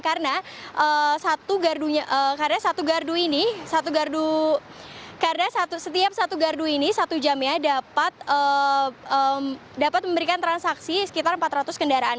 karena satu gardu ini karena setiap satu gardu ini satu jamnya dapat memberikan transaksi sekitar empat ratus kendaraan